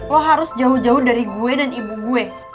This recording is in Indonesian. lo harus jauh jauh dari gue dan ibu gue